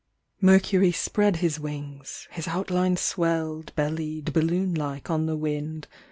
Mercury spread his wings. His outline swell 'd, Bellied, balloon like, on the wind.